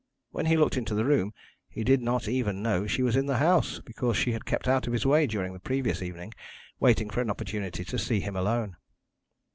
When he looked into the room he did not even know she was in the house, because she had kept out of his way during the previous evening, waiting for an opportunity to see him alone.